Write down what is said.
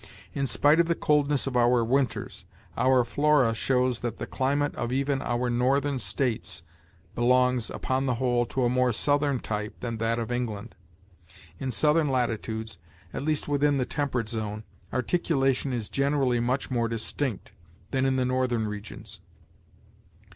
In spite of the coldness of our winters, our flora shows that the climate of even our Northern States belongs, upon the whole, to a more southern type than that of England. In southern latitudes, at least within the temperate zone, articulation is generally much more distinct than in the northern regions.